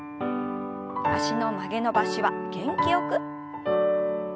脚の曲げ伸ばしは元気よく。